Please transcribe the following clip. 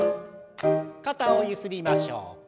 肩をゆすりましょう。